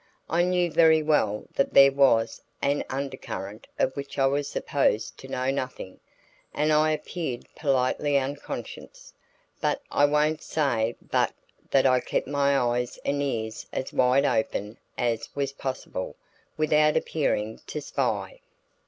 I knew very well that there was an undercurrent of which I was supposed to know nothing, and I appeared politely unconscious; but I won't say but that I kept my eyes and ears as wide open as was possible without appearing to spy.